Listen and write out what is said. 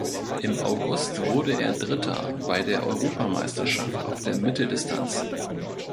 Im August wurde er Dritter bei der Europameisterschaft auf der Mitteldistanz.